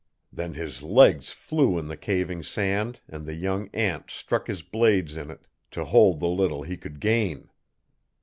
Then his legs flew in the caving sand and the young ant struck his blades in it to hold the little he could gain.